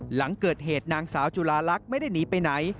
หลังเกิดเหตุนางสาวจุลาลักษณ์ไม่ได้หนีไปไหน